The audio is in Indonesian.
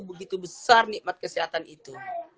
begitu besar nikmat kesehatan itu